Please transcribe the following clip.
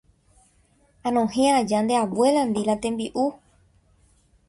anohẽ aja nde abuéla-ndi la tembi'u.